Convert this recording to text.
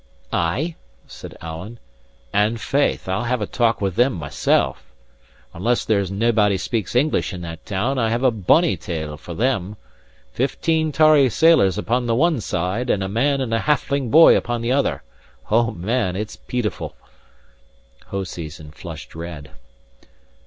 "Ay?" said Alan; "and faith, I'll have a talk with them mysel'! Unless there's naebody speaks English in that town, I have a bonny tale for them. Fifteen tarry sailors upon the one side, and a man and a halfling boy upon the other! O, man, it's peetiful!" Hoseason flushed red.